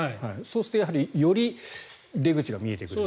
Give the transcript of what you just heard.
そうするとより出口が見えてくると。